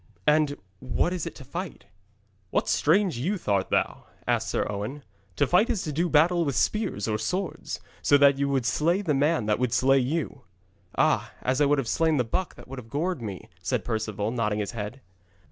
'And what is it to fight?' 'What strange youth art thou?' asked Sir Owen. 'To fight is to do battle with spears or swords, so that you would slay the man that would slay you.' 'Ah, as I would have slain the buck that would have gored me,' said Perceval, nodding his head.